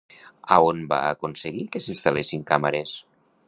A on va aconseguir que s'instal·lessin càmeres?